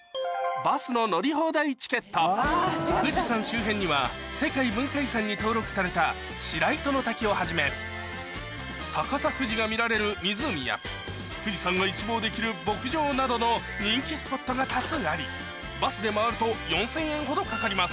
富士山周辺には世界文化遺産に登録された白糸の滝をはじめ逆さ富士が見られる湖や富士山が一望できる牧場などの人気スポットが多数ありバスで回ると４０００円ほどかかります